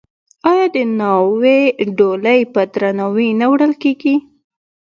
آیا د ناوې ډولۍ په درناوي نه وړل کیږي؟